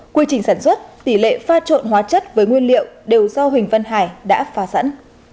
quy trình sản xuất tỷ lệ pha trộn hóa chất với nguyên liệu đều do huỳnh văn hải đã phá sẵn